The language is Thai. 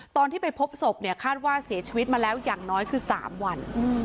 ตอนที่ไปพบศพเนี่ยคาดว่าเสียชีวิตมาแล้วอย่างน้อยคือ๓วัน